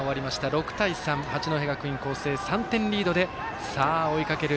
６対３、八戸学院光星３点リードで追いかける